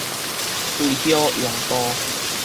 垂葉榕道